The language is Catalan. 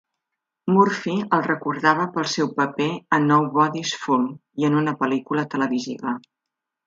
Murphy el recordava pel seu paper a "Nobody's Fool" i en una pel·lícula televisiva.